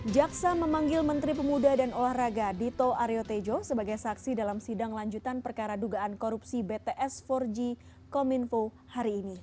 jaksa memanggil menteri pemuda dan olahraga dito aryo tejo sebagai saksi dalam sidang lanjutan perkara dugaan korupsi bts empat g kominfo hari ini